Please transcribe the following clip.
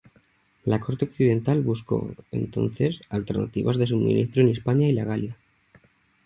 La corte occidental buscó, entonces, alternativas de suministro en Hispania y la Galia.